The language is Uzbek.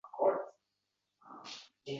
– Qani, ikkingiz ham men tomon suvga sho‘ng‘inglar